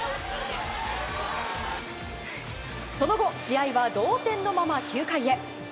その後、試合は同点のまま９回へ。